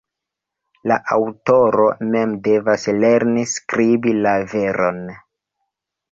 La aŭtoro mem devas lerni skribi la veron.